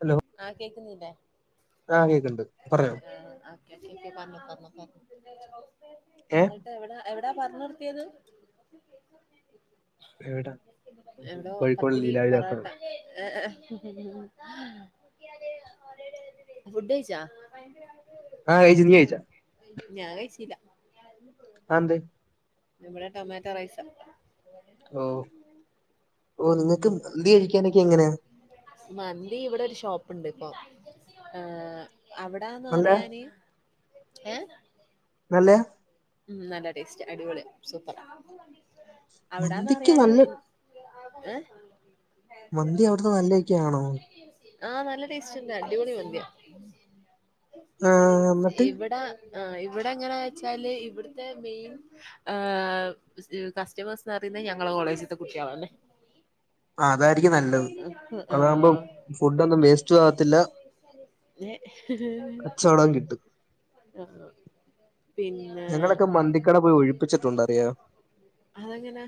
Hello ആഹ് കേക്കുന്നില്ലേ? ആഹ് കേക്ണ്ട്. പറഞ്ഞോ. [unintelligible] ഏഹ് ട്ടെവിടാ എവിടാ പറഞ്ഞ് നിർത്തിയത്? എവിടാ എടോ കോഴിക്കോട് പത്തിരി, പൊറോട്ട ലീലാവിലാസാണ് എ ഏഹ്. ഫുഡ് കഴിച്ചാ? ആഹ് കഴിച്ച്. നീ കഴിച്ചാ? ഞാൻ കഴിച്ചീല. അതെന്ത്? ഇവടെ ടൊമാറ്റോ റൈസാ. ഓഹ്, ഓഹ് ഉം നിങ്ങക്ക് മന്തി കഴിക്കാനൊക്കെ എങ്ങനാ? മന്തി ഇവിടെ ഒരു ഷോപ്പ് ണ്ട് ഇപ്പം. ഏഹ് അവിടാന്ന് നല്ല അറിയാന്, ഏഹ്? നല്ലയാ. ഉം നല്ല ടേസ്റ്റാ. അടിപൊളിയാ സൂപ്പറാ. അവിടാന്ന് മന്തിക്ക് പറയാന് നല്ല ഇ ഏഹ്? മന്തി അവിടുത്തെ നല്ലയൊക്കെയാണോ? ആ നല്ല ടേസ്റ്റ് ഉണ്ട് അടിപൊളി മന്തിയാ, ആഹ് എന്നിട്ട് ഇവിടാ ആ ഇവിടെ എങ്ങനാ വെച്ചാല് ഇവിടുത്തെ മെയിൻ കസ്റ്റമേഴ്സ് എന്ന് പറയുന്നത് ഞങ്ങടെ കോളേജിലെ കുട്ടികളാണ്. [unintelligible] നല്ലത് ഹ് ആ അതാകുമ്പം ഫുഡൊന്നും വേസ്റ്റും ആവത്തില്ല ഹ്ഹ്ഹ് കച്ചവടം കിട്ടും ആ പിന്നെ ആ ഞങ്ങളൊക്കെ മന്തിക്കട പോയി ഒഴിപ്പിച്ചിട്ടുണ്ട് അറിയാവോ അതെങ്ങനാ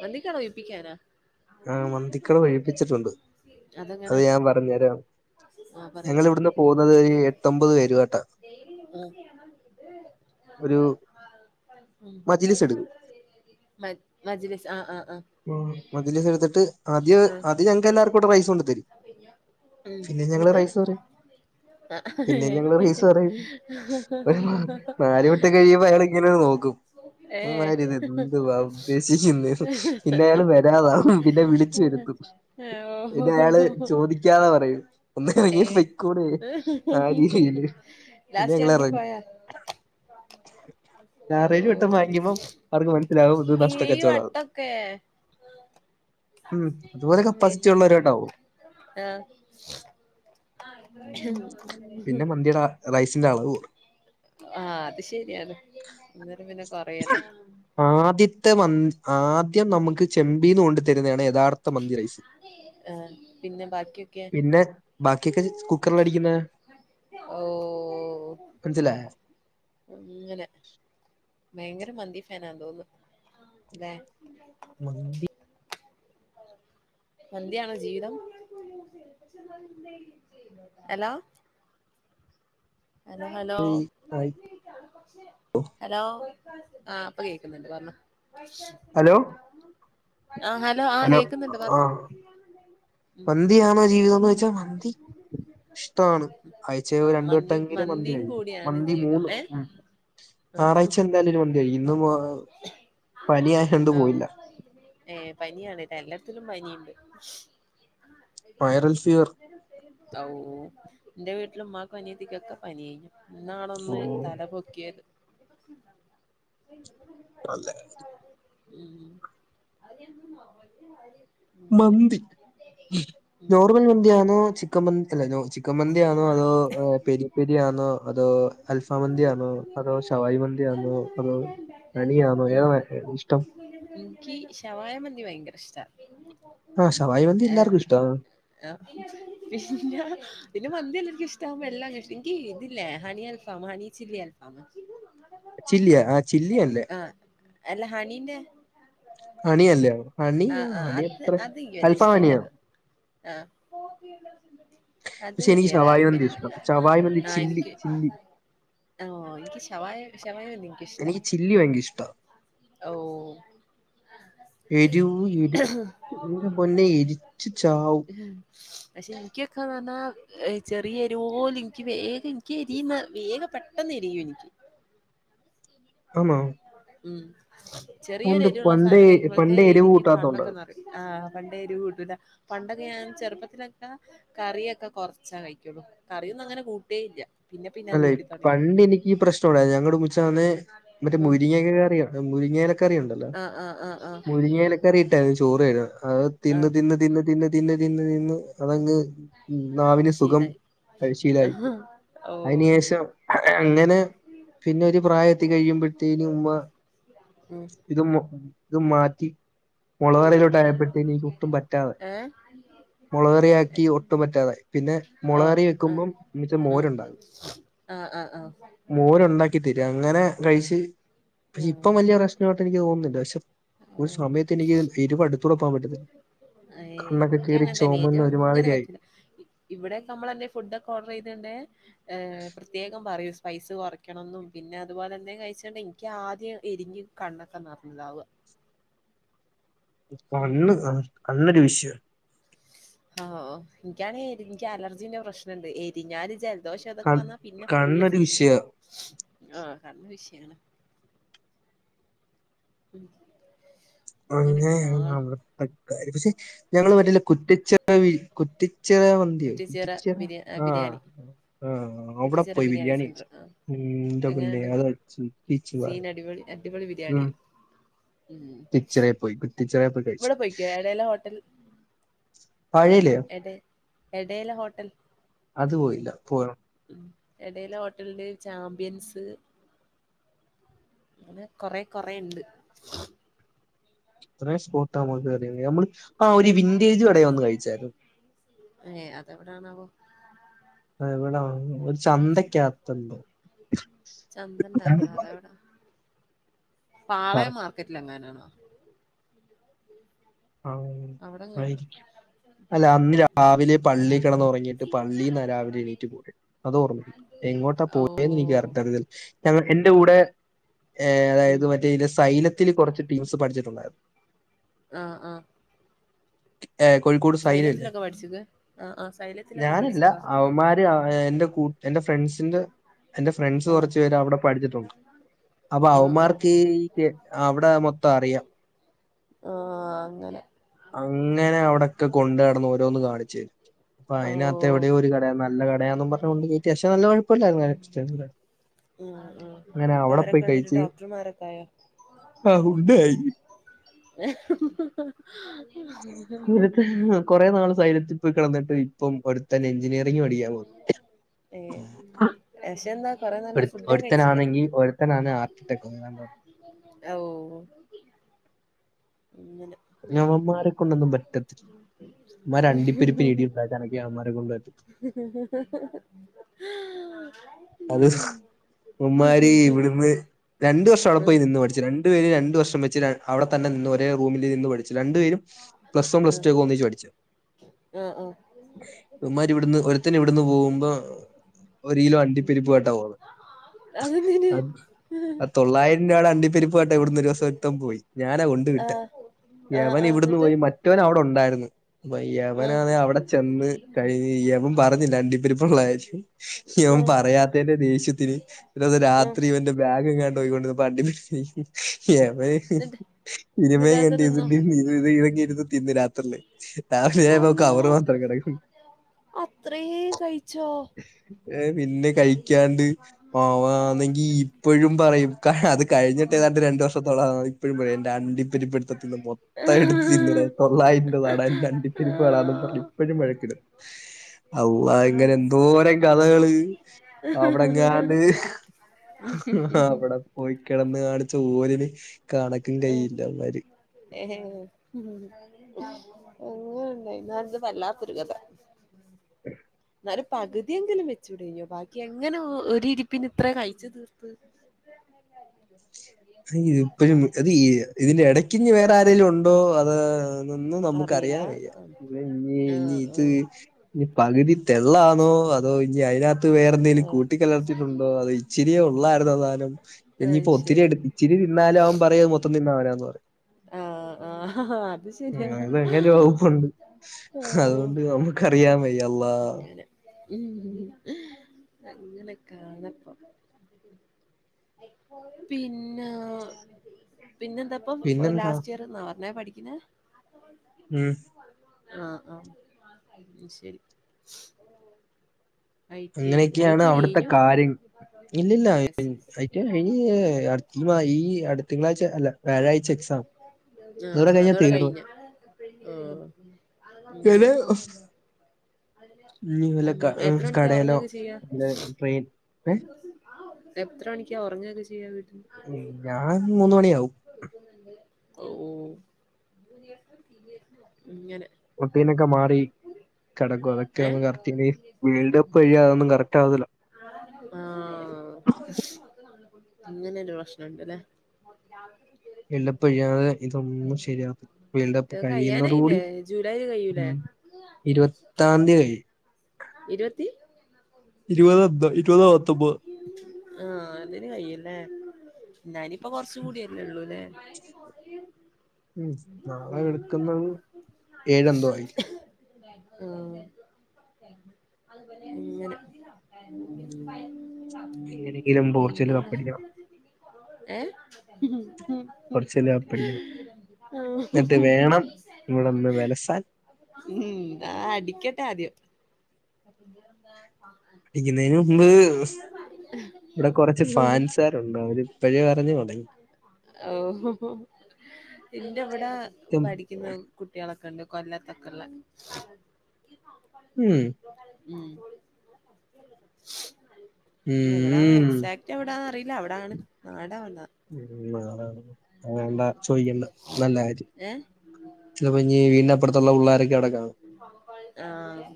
മന്തിക്കട ഒഴിപ്പിക്കാനാ ആ മന്തിക്കട ഒഴിപ്പിച്ചിട്ടുണ്ട്, അത് അതെങ്ങനെ ഞാൻ പറഞ്ഞു തരാം [unintelligible] ഞങ്ങള് ഇവിടുന്ന് പോകുന്നത് ഒരു എട്ടൊമ്പത് പേര് ആയിട്ടാ ഡെയിലി യൂസ് ചെയ്യണം, ഇത് ഒരു മജിലിസ് എടുക്കും മജിലീസ് ആ ആ ആ ആ മജിലീസ് എടുത്തിട്ട് ആദ്യ ആഹ് ആദ്യ ഞങ്ങക്ക് എല്ലാവർക്കും റൈസ് കൊണ്ടു തരും, ഉം പിന്നെ ഞങ്ങള് എന്നിട്ട് റൈസ് പറയും പിന്നെയും ഞങ്ങള് റൈസ് പറയും, നാല വട്ടം കഴിയുമ്പോ ഇങ്ങനെ നോക്കും അങ്ങന ഏഹ് ഇത് എന്തുവാ ഉദ്ദേശിക്കുന്നേന്ന്. പിന്നെ അയാൾ വരാതാ പിന്നെ വിളി ച്ചിരുത്തും ഏഹ് പിന്നേ അയാള് ഓഹ് ചോദിക്കാത പറയും ഒന്നറങ്ങി പോയ്‌ കൂടെ ആ ഏഹ് രീതില് പിന്നെ ലാസ്റ്റ് ഞങ്ങള് ഇറങ്ങു ഇറങ്ങിപ്പോയാ ഓ ആറ് ഏഴ് വട്ടം വാങ്ങിക്കുമ്പം അവർക്ക് മനസ്സിലാകും ഇത് നഷ്ടക്കച്ചവടാണെന്ന് ക്കെ ഉം അതുപോലെ കപ്പാസിറ്റി ഉള്ളവരോട്ടാവും ആഹ [inaudible] റൈസിൻ്റെ അളവ് കുറ ആഹ അത് ശരിയാണ അന്നേരം പിന്നെ കൊറയല്ലാ ആദ്യത്തെ മ ആദ്യം നമുക്ക് ചെമ്പീന്ന് കൊണ്ട് തരുന്നതാണ് യഥാർത്ഥ മന്തിറൈസ് ആഹ് പിന്നെ ബാക്കിയൊക്കെ പിന്നെ ബാക്കിയൊക്കെ കുക്കറിൽ അടിക്കുന്ന ഓഹ് മനസ്സിലായോ? അങ്ങനെ ഭയങ്കര മന്തി ഫാനാ തോന്നുന്നു അതെ മന്തി മന്തിയാണോ ജീവിതം ഹെലോ ഹെലോ ഹലോ ആയി. ഹലോ ആഹ് ഇപ്പൊ കേക്കുന്നുണ്ട് പറഞ്ഞോ ഹലോ ആഹ് ഹലൊ ഹലോ ആഹ് മന്തിയാണോ ജീവിതംന്ന് വെച്ചാ മന്തി ഇഷ്ടമാണ് ആഴ്ചയിൽ ആഹ് രണ്ടു മന്തി വട്ടെങ്കിലും മന്തി മന്തിയും കഴിക്കും കൂടിയാണ് മന്തി ജീവിതം മൂന്ന് ഉ ഏഹ് ഞായറാഴ്ച എന്തായാലും ഒരു മന്തി കഴിക്കും ഇന്നിപ്പോ പനിയായൊണ്ട് പോയില്ല ഏഹ് പനിയാണ്ലേ എല്ലാടത്തിലും പനിയുണ്ട് വൈറൽ ഫീവർ എന്റെ വീട്ടില ഉമ്മാക്ക് അനിയത്തിക്കൊക്കെ പനി ആയിന്നു ഓ ഇന്നാണൊന്നു തല പൊക്കി [inaudible] അതെ [inaudible] മന്തി ഉം നോർമൽ മന്തിയാണോ ചിക്കൻ മന്തി അല്ല ചിക്കൻ മന്തിയാണോ അതോ പെരി പെരിയാണോ അതോ അൽഫം മന്തിയാണോ അതോ ശവായി മന്തിയാണോ അതോ അണിയാണോ ഏതാണ് ഇഷ്ടം ഉം ഇൻക് ശവായ മന്തി ഭയങ്കര ഇഷ്ടാ ആഹ് ശവായി മന്തി എല്ലാർക്കും ഇഷ്ടവാ ആ പിന്നെ പിന്നെ മന്തി എല്ലാർക്കും ഇഷ്ടാവകുമ്പോ എല്ലാം അങ്ങ്ഇഷ്ടാ എനിക്കി ഇതില്ലേ ഹണി അൽഫാം ഹണി ചില്ലി അൽഫാം ചില്ലിയാ ആഹ് ചില്ലിയല്ലേ അല്ല ഹണിന്റെ അണിയല്ലേ അണിയാ ആഹ ആഹ് അണി അത് എത്ര അത് വല്യ അൽഫാം ഇഷ്ടമല്ല അണിയാണ് ആഹ അത് പക്ഷെ എനിക്ക് വല്യ ഷവായി മന്തി താല്പര്യല്ല ഇഷ്ടം ഷവായി മന്തി ആഹ് ചില്ലി എനിക്ക് ചില്ലി ആഹ് എനിക്ക് ശവായ ശവായ ആണ് എനിക്ക ഇഷ്ട എനിക്ക് ചില്ലി ഭയങ്കര ഇഷ്ടമാണ് ഓഹ് എരിവ് ഇൻക് എന്റെ പൊന്നെ എരിച്ചു ചാവും പക്ഷെ എനിക്കൊക്കെന്ന് പറഞ്ഞാ ചെറിയോരെറിവുപോലും എനിക്ക് വേഗം എനിക്ക് എരിന്ന് വേഗം പെട്ടെന്ന് എരിയും എനിക്ക് ആണോ ഉം അതുകൊണ്ട് ചെറിയൊരെരിവുള്ള പണ്ടേ സാധനം കഴിക്കുമ്പോഴത്തെ പണ്ടേ എരിവ് എരിഞ്ഞു കൂട്ടാത്തോണ്ട് കണ്ണൊക്കെ നറയും ആഹ് പണ്ടേ ഒരുയെരു കൂടുതലാ പണ്ടൊക്കെ ഞാൻ ചെറുപ്പത്തിലൊക്കെ കറിയൊക്കെ കൊറച്ച കഴിക്കുള്ളൂ കറിയൊന്നും അങ്ങനെ കൂട്ടേ ഇല്ല പിന്നെ പിന്നാ അല്ലേ കൂട്ടി തൊടങ്ങിയെ. പണ്ട് എനിക്കി ഈ പ്രശ്നം ഉണ്ടായിരുന്നേ ഞങ്ങടെ [unintelligible] മറ്റേ ഉം മുരിങ്ങക്ക കറി മുരിങ്ങയിലെ കറി ഉണ്ടല്ലോ ആഹ് ആഹ് ആഹ് ആഹ് മുരിങ്ങയിലക്കറി ഇട്ടാ ചോറ് തരാ അഹ് തിന്ന് ആഹ് തിന്ന് തിന്ന് തിന്ന് തിന്ന് തിന്ന് തിന്ന് അതങ്ങ് നാവിന് സുഖം [inaudible] അതിന് ഉം ശേഷം അങ്ങനെ പിന്നെ ഒരു പ്രായം എത്തി കഴിയുമ്പോഴത്തേന് ഉമ്മാ [inaudible] ഇത് മ് ഇത് മാറ്റി ഉം മുളകറയിലോട്ട് ആയപ്പെട്ട്നി എനിക്ക് ഒട്ടും പറ്റാതെആയി ഏഹ് മുളകറിയക്കി ഒട്ടും പറ്റാതായി പിന്നെ മുളകറി വെക്കുമ്പോം മ്മച്ചി മോരുണ്ടാകും ആഹ ആഹ ആഹ് മോര ഉണ്ടാക്കി തര അങ്ങനെ കഴിച്ച് പക്ഷെ ഉം ഇപ്പം വലിയ പ്രശ്നമായിട്ട് എനിക്ക് തോന്നുന്നില്ല പക്ഷെ ഒരു ഓഹ് സമയത്ത് എനിക്ക് ഐരുവ അടുത്തൂടെ പോകാൻ പറ്റത്തില്ല അ കണ്ണൊക്കെ എനിക് കീറി അങ്ങനെ തന്നെ ഏരു ചുമന്ന് അങ്ങനെ ഒരുമാതിരിയായി. പറ്റില്ല ഇവിടെയക്കെ നമ്മൾ എന്റെ ഫുഡൊക്കെ ഓർഡർ ചെയ്തണ്ട് പ്രത്യേകം പറയും പൈസ കുറയ്ക്കണന്നെന്നും പിന്നെ അതുപോലെ തന്നെ കഴിച്ചണ്ട് എനിക്ക് ആദ്യം എരിഞ്ഞ് കണ്ണൊക്കെ നിറന്നതാവുക ഉം കണ്ണ് ആ കണ്ണരു വിഷയം ആഹ എനിക്കാണെ എനിക്ക് അലർജിന്റെ പ്രശ്നുണ്ട് എരിഞ്ഞാല് ചേൽ ദോഷം അതൊക്കെ കൺ വന്നാ പിന്നെ ഫുള്ള് കണ്ണൊരു സീന വിഷയാ. ആഹ കാരണ വിഷയങ്ങ ഉ [unintelligible] അങ്ങനെയാണ് അവിടുത്തെക്കാര് പക്ഷെ ഞങ്ങള് ഇന്ത്യേല് പറ്റല്ല കുറ്റിചിറ കുറ്റി ച്ചിറ മന്തി ഓ കുറ്റിച്ചിറ ബിരി ആ ബിരിയാണി ആ അവിടെ കുറ്റിച്ചിറ പോയി ബിരിയാണി കഴി സെന്റർ ആഹ് ഉ ഇന്തപ്പെ എങ്ങനെണ്ട് സീൻ അടിപൊളി അടിപൊളി ബിരിയാണി [unintelligible] ഉം റ്റിച്ചറ പോയി റ്റിച്ചറെ പോയി കഴിച്ചു. ഇവിടെ പോയിക്കോ ഇടയിലെ ഹോട്ടൽ പഴയല്ലേ എടെ എടയില ഹോട്ടൽ അത് പോയില്ല പോണം ഉ ഇടയിലെ ഹോട്ടലില് ചാമ്പ്യൻസ് അങ്ങനെ കൊറെ കൊറെ ഉണ്ട് അത്ര സ്പോട്ട ന നമ്മ ആ ഉം ഒരു വിൻറേജ്കടെ വന്ന് കഴിച്ചായിരുന്നു ഏ അത് എവിടണാവോ ആ എവിട ഒരു ചന്തക്കകത്തുണ്ട് ചന്തല്ലാത്ത അതെവിടാ പാളയം കറക്റ്റ് മാർക്കറ്റിൽ എങ്ങനാണോ ആ [unintelligible] അവിടെ എങ്ങന്നോ ആയിരിക്കും അല്ല അന്ന് രാവിലെ പള്ളിൽ കിടന്ന് ഉറങ്ങിയിട്ട് പള്ളിന്ന് രാവിലെ എണീറ്റ് പോയ അത് ഒർമ്മ ഇല്ല എങ്ങോട്ടാ ഓ പോയന്ന് എനിക്ക് കറക്റ്റ് അറിയത്തില്ല ഞ എന്റെ കൂടെ ഉം അതായത് മറ്റേ ഇതി സൈലത്തില് കുറച്ച് ടീംസ് പഠിച്ചിട്ടുണ്ടായിരുന്നു ആഹ് ആഹ് ഏഹ് കോഴിക്കോട് സൈനല്ലേ സൈലത്തിലൊക്കെ പഠിച്ചത് ആ ആ സൈലത്തിലൊക്കെ ഞാനല്ല പഠിച്ചതാ അവന്മാര് എന്റെ കൂ എന്റെ ഫ്രണ്ട്സിന്റെ എന്റെ ഫ്രണ്ട്സ് ആ കുറച്ചു പേര് അവിടെ പഠിച്ചിട്ടുണ്ട് അപ്പൊ ആ ആ അവന്മാർക്ക് അവിടെ മൊത്തം അറിയാം ആഹ് അങ്ങനെ അങ്ങനെ അവിടെക്കെ കൊണ്ട് നടന്ന് ഓരോന്ന് കാണിച്ച തരും അപ്പൊ അതിനകത്ത് ഓ എവിടെ ഒരു കട നല്ല കടയാന്നും പറഞ്ഞ കൊണ്ട് കേറ്റി പക്ഷെ നല്ല കുഴപ്പില്ലായി ഉം ഉം ഇപ്പൊ അവരൊക്കെ വന്നിട്ട് ഡോക്ടർമാരൊക്കെ ആയോ ആഹ് ഉണ്ട ആയി [unintelligible] കുറെ നാള് സൈലത്തിൽ പോയി കിടന്നിട്ട് ഇപ്പൊ ഒരുടുത്തന് എഞ്ചിനീയറിംഗ് പഠിക്കാൻ പോയി ഏ പക്ഷെ എന്താ കൊറെ നല്ല ഫുഡൊക്കെ കഴിച്ചില്ലേ ഒരുത്തനാണെങ്കിൽ ഒരുത്തനാണ് ആർട്ടത്തെക്ക ഔ ഇന്നലെ അവന്മാരെ കൊണ്ടൊന്നും പറ്റത്തില്ല അവന്മാർ അണ്ടിപ്പെരുപ്പിന് ഇടി ഉണ്ടാക്കാനൊക്കെ അവന്മാരെ കൊണ്ട് പറ്റും [unintelligible] [unintelligible] അത് ഇവന്മാര് ഇവിടുന്ന് രണ്ട് വർഷം അവിടെ പോയി നിന്ന് പഠിച്ചു ര രണ്ടുപേര് രണ്ടു വർഷം വെച്ച് അവിടെ തന്നെ നിന്ന് ഒരേറൂമിൽ നിന്ന് പഠിച്ചു രണ്ടു പേരും പ്ലസ് വൺ ഉം പ്ലസ് ടു ഉം ഒക്കെ ഒന്നിച്ച് പഠിച്ച ആഹ് ആഹ് ഉം ഇവൻമാരി ഇവിടുന്ന് ഒരുത്തന് ഇവിടുന്ന് പോകുമ്പോ ഒരു കിലോ അണ്ടിപ്പരിപ്പ് ആ അ ആ തൊള്ളായിരം രൂപയുടെ അണ്ടിപ്പെരിപ്പ് കെട്ടെ ഇവിടുന്നരു ദിവസം ഓർത്ഥം പോയി ഞാനാ കൊണ്ട വിട്ട് ആഹ് ആഹ് യവൻ ആഹ് ഇവിടുന്ന് എന്നിട്ട് പോയി മറ്റവൻ അവിടെ ഉണ്ടായിരുന്നു അപ്പൊ ആഹ് യവനാണ് അവിടെ ചെന്ന് കഴിഞ് യവൻ പറഞ്ഞില്ല അണ്ടിപ്പരിപ്പ്ള്ള കാര്യം ഞം ആഹ് പ യാത്തന്റെ ദേഷ്യത്തിന്. പിന്നെ അതെന്നെ ആഹ് രാത്രി ഇവെന്റെ ബാഗ് ങ്ങാണ്ട് ഒഴിവുണ്ട് എന്ന് പർഞ്ഞി ങ്ങട്ട് യെവെൻ എന്നിട്ട് എന്നിട്ട് ഇനിമയ് അതൊക്കെ എന്തെയ്തു തിന്നോ ഇതൊക്കെ ഇരുന്ന് തിന്ന് രാത്രില്ലെ. രാവിലെ ആയപ്പോ അള്ളാ കവറ് മാത്രം കെട്കുണ്ട്. അത്രയും കഴിച്ചോ ഏഹ് പിന്നെ കൈ രിക്കാണ്ട്. ആഹ് ഒന്നെങ്കി ഇപ്പഴും പറയും അത് കഴിഞ്ഞിട്ട് ഏതാണ്ട് ര രണ്ട് വർഷത്തോളം ആയി. ഇപ്പഴും പറയും എന്റെ അണ്ടിപ്പരിപ്പ് എടുത്ത് തിന്നു മൊ ത്ത എട്ത്ത് തിന്ന്ണ്. തൊള്ളായിന്റെ താടാ ഇന്റെ അണ്ടിപ്പരിപ്പ് താടാന്നും പർഞ് ഇപ്പഴും വഴക്കിടും. ഔ അങ്ങെനെ എന്തോരം കഥകള്. ഔടെങ്ങാണ്ട്. അങ്ങനെണ്ടായിന്ന് ആഹ് അ ഹ് ഔടെ പോയി കെട്ന്ന് കാണിച്ച് ഓലിനി കണക്കും കയ്യുല്ല അവമ്മാര്. ഏഹെ ഉം. അങ്ങനാണ്ട് കഴിഞ്ഞു. ന്നാലും ഇത് വല്ലാത്തൊരു കഥ. [inaudible] [inaudible] എന്നാലും പകുതിയെങ്കിലും വെചൂടിഞ്ഞോ ബാക്കി എങ്ങനെ ഒരിപ്പിന് ഇത്ര കഴിച്ചു തീർത്ത പ്പഴും അത് ഇതിന്റെ ഇട ക്കിനിഞ് വേറെരെേലുണ്ടോ അതൊന്നും നമുക്ക് അറിയില്ല അറിയൻ വയ്യ ഇ ഇനി ഇനി ആഹ് ഇത് ആഹ് ന പകുതിത്തെള്ളാണോ അ അതോ ഇഞ്ഞി അയിനകത്ത് വേറെ ന്തെലും ആഹ് കൂട്ടി ക്കലർത്തിയിട്ടുണ്ടോ അതൊ ഇച്ചിരി ഒള്ളായിര്ന്നൊ സാനം. അത് ഇഞ്ഞിപ്പോ ഒത്തിരി ശരി എടു ഇച്ചിരിതിന്നാലും അവൻ പറയും മൊത്തം തിന്നാ അവനാന്ന് പറയും. ആഹ് ആഹ് അത് ഉം ശരിയാ അയ്ന്ന് അങ്ങെനെ വകുപ്പ്ണ്ട്. ഓഹ് അതൊണ്ട് നമ്മക്കറിയാ വയ്യ അള്ളാ. അങ്ങനെ ഉം. അങ്ങെനെക്കാണപ്പം. പിന്ന പിന്നെന്താപ്പൊ? ഇപ്പൊ പിന്നെന്താ? ലാസ്റ്റ് ഇയെർന്നാ പർഞ്ഞേ പഠിക്ക്ന്നെ? ഉം ആഹ്, ആഹ് ഹ് ശെരി. ഐ ട്ടി ഐ, ഐ അങ്ങനെയൊക്കെയാണ് ട്ടി ഐ അവിടുത്തെ കയ്ഞ്ഞു. കാര്യങ്ങൾ. ഇല്ലില്ല. യെസ്, യെസ് അതിന്റെ കഴിഞ്ഞ് അടുത്ത ഈ മാ- ഈ അടുത്ത തിങ്കളാഴ്ച അല്ല. വ്യാഴാഴ്ച എക്സാം. ആഹ്, അതോടെ ആഹ് കഴിഞ്ഞാൽ അതൗടെ തീർന്നു കഴ്‌ഞ്ഞു. ആഹ് പിന്നെ അങ്ങെനെ. ഇനി വല്ല ഉം ക- എത്ര ഏഹ് മണിക്യ കടയിലോ ഉർങ്ങൊക്കെ ചെയ്യാ. വല്ല ട്രെയിൻ ഏ എത്ര മണിക്ക ഒർങ്ങൊക്കെ ചെയ്യാ വീ ഞാൻ മൂന്ന് മണിയാവും. ഔ അങ്ങെനെ. മുട്ടീനൊക്കെ മാറി കെടക്കുവ. ഏഹ് അതൊക്കെന്ന് കർ ട്ട്ല്. വേൾഡ് കപ്പ് കയ്യാ അഹോന്നും കറെക്റ്റ് ആവതില്ല. ആഹ്. അങ്ങെനെരു പ്രശ്നണ്ട്ലെ. വേൾഡ് കപ്പ് കഴിയാതെ ഇതൊന്നും ശരിയാവത്തില്ല വേൾഡ് കപ്പ് ഇത് കഴിയുന്നതോടുകൂടി കയ്യാനായില്ലേ? ജൂലായൊക്കെ കയ്യൂലെ? ഇരുത്താംന്തി കയ്യും. ഇരൊത്തി ഇരുവതോ എതൊ. ഇരുവതോ പത്തൊമ്പതൊ. ആഹ് അതിന് കയ്യും ലെ. ന്നാ നിപ്പോ കൊർച്ച് കുടിയല്ലെള്ളു ലെ. ഉം നാളെ വെളുക്കുന്ന. ഏഴൊ എന്തോ ആയി. ആഹ് ഇങ്ങനെ എങ്ങനെയെങ്കിലും പോർച്ചുഗൽ പിന്നെന്താ കപ്പടിക്കണം ഏഹ് ഉം പോർച്ചുഗൽ ഹേ കപ്പടിക്കണം എന്നിട്ട് ഹ്മ്മ്, വേണം പൈസേ യാലും ഇവിടെ ഒന്ന് വിലസാൻ ണ്ടാവും ഉം, ആ അടിക്കട്ടെ ആദ്യം അടിക്കുന്നതിന് മുമ്പ് [unintelligible] [unintelligible] ഇപ്പഴേ അറിഞ്ഞോ മതി ഇന്റെ ഇവിടെ ഉം. പഠി ക്കുന്ന് കുട്ടികളൊക്കെണ്ട് കൊല്ലത്തൊക്കെ ഉള്ള ഉം ഉം, എവിടാന്ന. ഉം. എക്സ് റ്റ് എവിടാന്ന് അറില്ല അവിടാണ് നാടാണ് ഉം, നാടാണ് അ വേണ്ടാ ചോദിക്കണ്ട നല്ല കാര്യം. ഏഹ് അപ്പഞ്ഞി വീടിനപ്പുറത്തുള്ള പുള്ളാരൊക്കെ അവിടെ കാണും [unintelligible] ആഹ്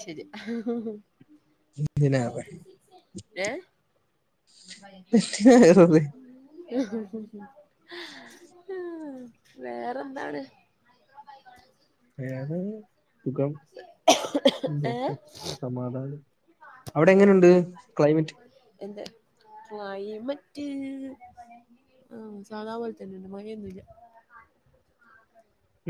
ശരി എന്തിനാ ഏഹ് എനിക്കൊക്കെ എന്തിനാ വെറുതെ? ഏറ്റവും വലുത് വേറെന്താണ് വേറെ ഏന്താ ഏഹ് സമാധാനം. അവിടെ ഉം എങ്ങനെയുണ്ട് ക്ലൈമറ്റ്? എന്റെ ക്ലൈമറ്റ് ആ സാധാ പോലെതന്നേണ് മഴ ഒന്നുല്ല.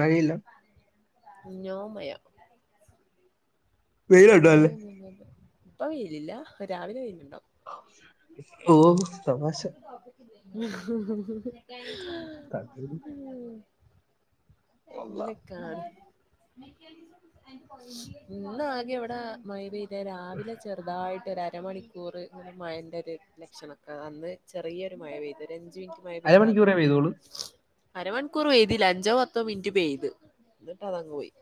മഴയില്ല നോ മഴ വെയിലുണ്ടോ അല്ലേ? മയന്നൂല്ലല്ലോ, പ്പ വെയിലില്ല രാവിലെ വെയില്ണ്ടാവും. ഓ തമാശ ഹ് ഹ് ഹ്മ്മ് രണ്ടായിരത്തിഒമ്പതി ങ്ങനെക്കാണ്. അതായത് മെക്കാനിസം വ്ടെ മയാ പെയ്തേ രാവിലെ ചെർ തായിട്ട് ഒരുഅരമണിക്കൂർ മഴൻ്റെ ഒരു ലക്ഷണൊക്കെ അന്ന് ചെറിയൊരു മഴ പെയ്തു അഞ്ച് മിനിറ്റ് മയാ പെയ്ത അരമണിക്കൂറേ അതങ്ങ് പോയി. പെയ്തോളൂ? അരമണിക്കൂർ പെയ്തില അഞ്ചോ പത്തോ മിനിറ്റ് പെയ്ത് ഇന്നിട്ട് അതങ്ങ് പോയി